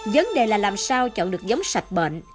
vấn đề là làm sao chọn được giống sạch bệnh